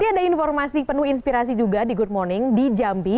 ini ada informasi penuh inspirasi juga di good morning di jambi